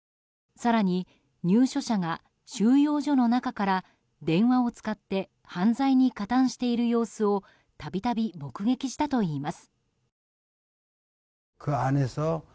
更に入所者が収容所の中から電話を使って犯罪に加担している様子を度々、目撃したといいます。